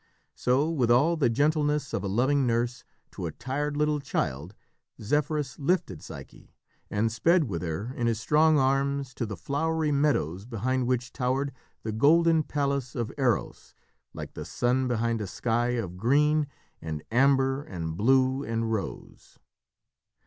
So, with all the gentleness of a loving nurse to a tired little child Zephyrus lifted Psyche, and sped with her in his strong arms to the flowery meadows behind which towered the golden palace of Eros, like the sun behind a sky of green and amber and blue and rose.